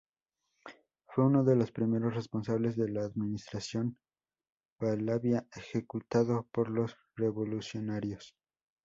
Fue uno de los primeros responsables de la administración Pahlaví ejecutado por los revolucionarios.